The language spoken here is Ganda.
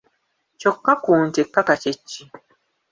Kyokka ku nte kaka kye ki?